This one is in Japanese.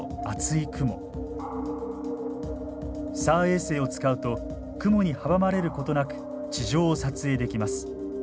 ＳＡＲ衛星を使うと雲に阻まれることなく地上を撮影できます。